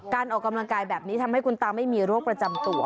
ออกกำลังกายแบบนี้ทำให้คุณตาไม่มีโรคประจำตัว